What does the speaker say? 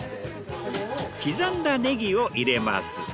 刻んだネギを入れます。